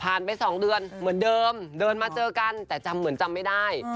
ไป๒เดือนเหมือนเดิมเดินมาเจอกันแต่จำเหมือนจำไม่ได้